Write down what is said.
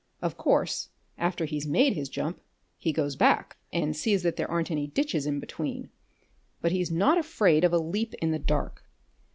Of course, after he's made his jump he goes back and sees that there aren't any ditches in between, but he's not afraid of a leap in the dark.